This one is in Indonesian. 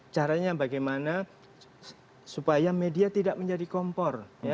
caranya bagaimana supaya media tidak menjadi kompor